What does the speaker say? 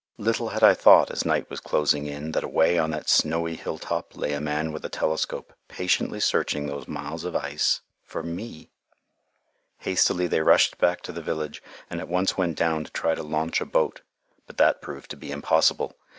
Little had I thought, as night was closing in, that away on that snowy hilltop lay a man with a telescope patiently searching those miles of ice for me. Hastily they rushed back to the village and at once went down to try to launch a boat, but that proved to be impossible.